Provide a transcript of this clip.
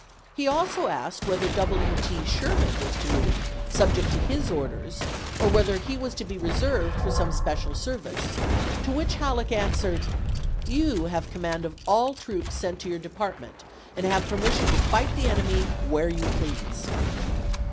He also asked chap, v whether W. T. Sherman was to move subject to his orders, or whether he was to be reserved for some special service ; to which Halleck answered, " You Halleck t have command of all troops sent to your Depart j^fjj ment, and have permission to fight the enemy where y$fc ^J; you please."